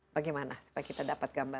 bagaimana supaya kita dapat gambar